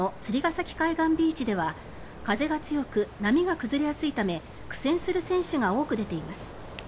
崎海岸ビーチでは風が強く波が崩れやすいため苦戦する選手が多く出ています。